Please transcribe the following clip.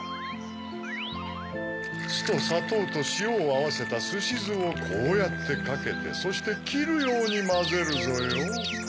すとさとうとしおをあわせたすしずをこうやってかけてそしてきるようにまぜるぞよ。